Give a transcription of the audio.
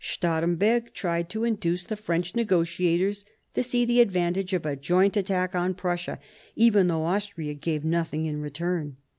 Stahremberg tried to induce the French negotiators to see the advantage of \ a joint attack on Prussia, even though Austria gave ] nothing in return.